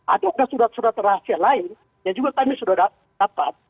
ada surat surat rahasia lain yang juga kami sudah dapat